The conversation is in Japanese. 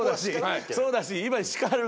そうだし。